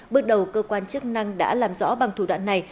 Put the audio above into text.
bước đầu cơ quan chức năng đã làm rõ bằng thủ đoạn này